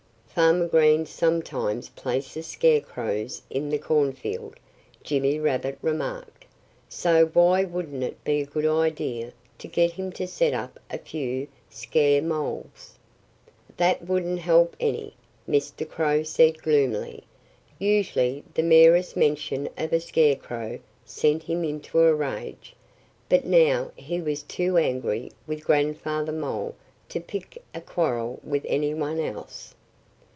"Farmer Green sometimes places scarecrows in the cornfield," Jimmy Rabbit remarked. "So why wouldn't it be a good idea to get him to set up a few scaremoles?" "That wouldn't help any," Mr. Crow said gloomily. Usually the merest mention of a scarecrow sent him into a rage. But now he was too angry with Grandfather Mole to pick a quarrel with any one else.